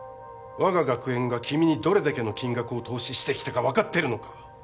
我が学園が君にどれだけの金額を投資してきたか分かってるのか？